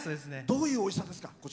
どういうおいしさですか？